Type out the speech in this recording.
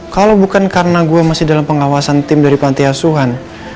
kalau bukan karena gue masih dalam pengawasan tim dari panti asuhan